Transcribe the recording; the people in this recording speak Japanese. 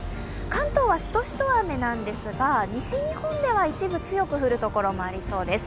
関東はしとしと雨ですが西日本では一部強く降るところもありそうです。